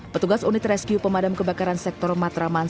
petugas unit rescue pemadam kebakaran sektor matraman